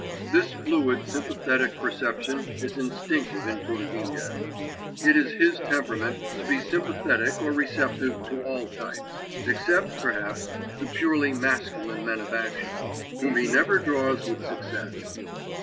This fluid sympathetic perception is instinctive in Turgenev: it is his temperament to be sympathetic or receptive to all types, except, perhaps, to purely masculine men of action, whom he never draws with success.